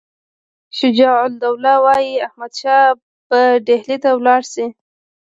شجاع الدوله وایي احمدشاه به ډهلي ته ولاړ شي.